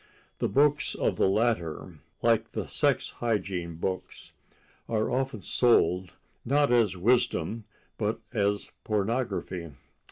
The books of the latter, like the sex hygiene books, are often sold, not as wisdom, but as pornography.